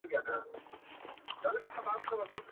ډلي به راسي د توتکیو !.